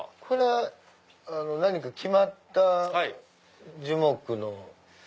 これは何か決まった樹木の？